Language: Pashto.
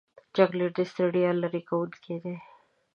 چاکلېټ د ستړیا لرې کوونکی دی.